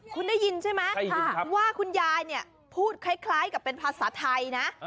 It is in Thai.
คุณได้ยินใช่ไหมว่าคุณยายเนี่ยพูดคล้ายกับเป็นภาษาไทยนะ